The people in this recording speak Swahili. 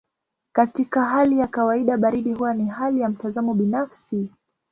Katika hali ya kawaida baridi huwa ni hali ya mtazamo binafsi.